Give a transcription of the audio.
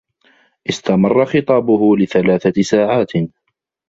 استمر خطابه لثلاثة ساعات.